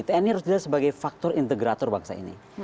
tni harus dilihat sebagai faktor integrator bangsa ini